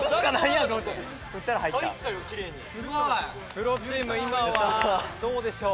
プロチーム今はどうでしょう？